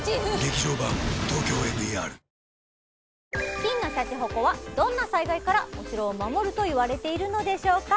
金のシャチホコはどんな災害からお城を守るといわれているのでしょうか